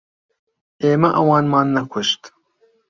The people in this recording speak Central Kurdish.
ئێمە ئەوانمان نەکوشت.